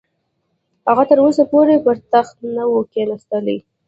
هغه تر اوسه پورې پر تخت نه وو کښېنستلی.